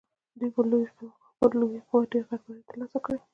دوی پر لویې قوې ډېر غټ بری تر لاسه کړی.